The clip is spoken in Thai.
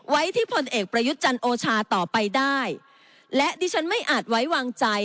ที่พลเอกประยุทธ์จันทร์โอชาต่อไปได้และดิฉันไม่อาจไว้วางใจ